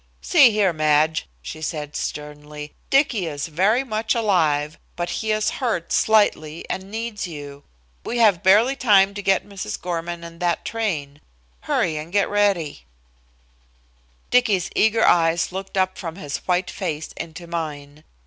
"See here, Madge," she said sternly, "Dicky is very much alive, but he is hurt slightly and needs you. We have barely time to get Mrs. Gorman and that train. Hurry and get ready." Dicky's eager eyes looked up from his white face into mine.